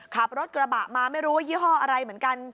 ขับรถกระบะมาไม่รู้ว่ายี่ห้ออะไรเหมือนกัน